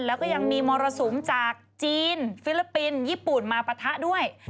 แล้วก็ยังมีมรสุมจากจีนฟิลิปปินส์ญี่ปุ่นมาปะทะด้วย